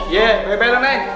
ye baik baik lah neng